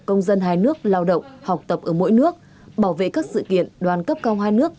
công dân hai nước lao động học tập ở mỗi nước bảo vệ các sự kiện đoàn cấp cao hai nước